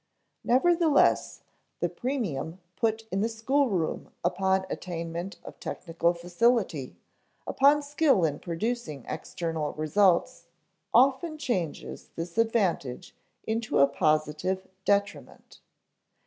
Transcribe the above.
Nevertheless, the premium put in the schoolroom upon attainment of technical facility, upon skill in producing external results (ante, p. 51), often changes this advantage into a positive detriment.